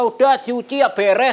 udah cuci ya beres